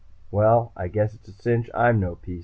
Well, I guess it's a cinch I'm no PC.